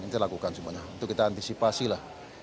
ini dilakukan semuanya itu kita antisipasi lah